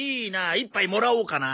一杯もらおうかな。